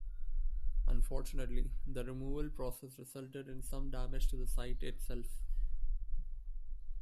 Unfortunately, the removal process resulted in some damage to the site itself.